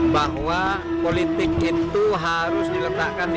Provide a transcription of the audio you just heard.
bahwa politik itu harus diletakkan di dalam rangka kepentingan manusia yaitu manusia indonesia